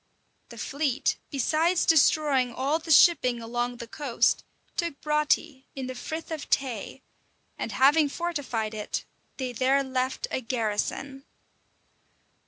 The fleet, besides destroying all the shipping along the coast, took Broughty, in the Frith of Tay; and having fortified it, they there left a garrison.